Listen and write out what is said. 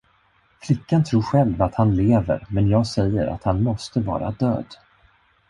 Flickan tror själv att han lever men jag säger att han måste vara död.